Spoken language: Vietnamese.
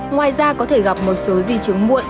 ngoài ra có thể gặp một số di chứng muộn